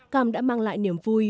cam đã mang lại niềm vui